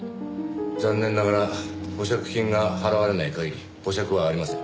残念ながら保釈金が払われない限り保釈はありません。